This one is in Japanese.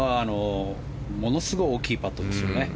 ものすごい大きいパットですよね。